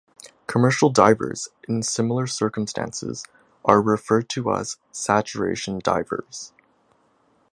Commercial Divers in similar circumstances are referred to as Saturation Divers.